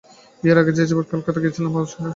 বিয়ের আগে যেবার কলকাতায় গিয়েছিলাম বাবার সঙ্গে।